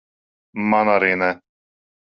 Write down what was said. Man arī ne.